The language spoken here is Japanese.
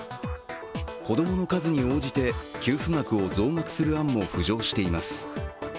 子供の数に応じて、給付額を増額する案も浮上しています。